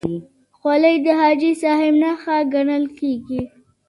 خولۍ د حاجي صاحب نښه ګڼل کېږي.